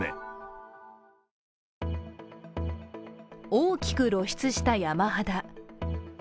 大きく露出した山肌。